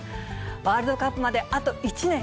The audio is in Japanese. ワールドカップまであと１年。